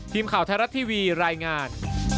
ทีมข่าวไทยรัฐทีวีรายงาน